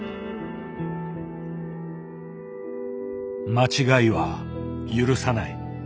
間違いは許さない。